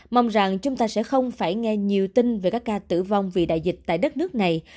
mong rằng chúng ta sẽ không phải nghe nhiều tin về các ca tử vong vì đại dịch tại đất nước này